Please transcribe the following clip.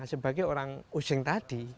sebagai orang osing tadi